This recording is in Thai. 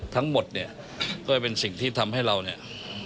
ทั้งหมดเนี่ยก็เป็นสิ่งที่ทำให้เราเนี่ย